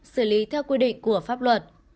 xử lý theo quy định của pháp luật